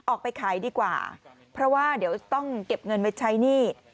ออกไปขายดีกว่าเพราะว่าเดี๋ยวต้องเก็บเงินไว้ใช้หนี้